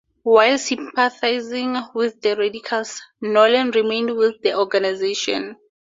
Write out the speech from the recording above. While sympathizing with the radicals, Nolan remained with the organization.